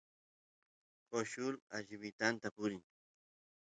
coshul allimitanta purin